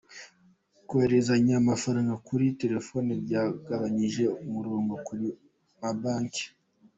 Kohererezanya amafaranga kuri telefoni byagabanyije umurongo ku mabanki